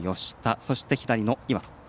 そして左の岩野。